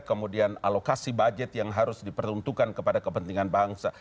kemudian alokasi budget yang harus diperuntukkan kepada kepentingan bangsa